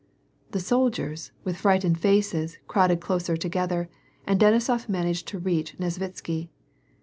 The soldiers, with frightened faces, crowded closer together, and Denisof managed to reach Nesvitsky.